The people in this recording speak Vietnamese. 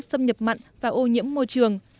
xâm nhập mặn và ô nhiễm môi trường